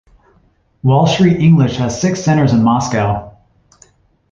Wall Street English has six centers in Moscow.